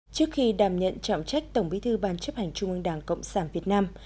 trước khi đàm nhận trọng trách tổng bí thư ban chấp hành trung ương đảng cộng sản việt nam